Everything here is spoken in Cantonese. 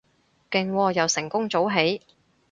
勁喎，又成功早起